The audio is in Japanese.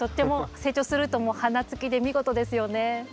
成長するともう花つきで見事ですよね。